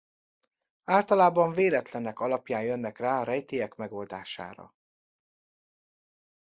Általában véletlenek alapján jönnek rá a rejtélyek megoldására.